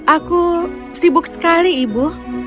aku sibuk sekali ibu